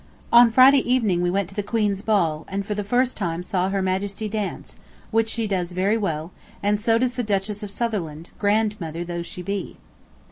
On Friday evening we went to the Queen's Ball, and for the first time saw Her Majesty dance, which she does very well, and so does the Duchess of Sutherland, grandmother though she be.